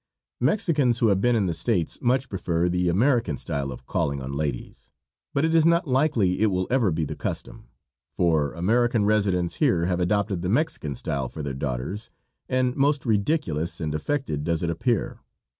Mexicans who have been to the States much prefer the American style of calling on ladies, but it is not likely it will ever be the custom for American residents here have adopted the Mexican style for their daughters, and most ridiculous and affected does it appear.